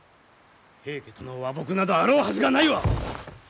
平家との和睦などあろうはずがないわ！